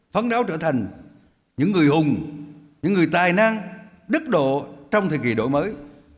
phấn đấu trở thành những người hùng những người tài năng đức độ trong thời kỳ đổi mới